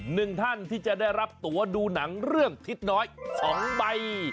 หนึ่งท่านที่จะได้รับตัวดูหนังเรื่องทิศน้อยสองใบ